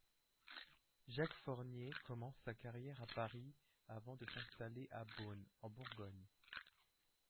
Jacques Fornier commence sa carrière à Paris avant de s'installer à Beaune en Bourgogne.